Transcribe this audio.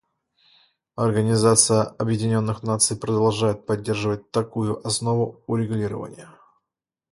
Организация Объединенных Наций продолжает поддерживать такую основу урегулирования.